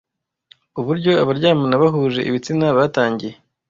Uburyo abaryamana bahuje ibitsina batangiye